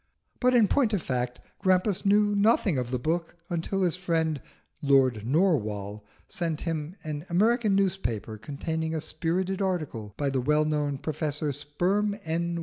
But in point of fact Grampus knew nothing of the book until his friend Lord Narwhal sent him an American newspaper containing a spirited article by the well known Professor Sperm N.